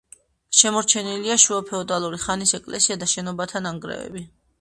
შემორჩენილია შუა ფეოდალური ხანის ეკლესია და შენობათა ნანგრევები.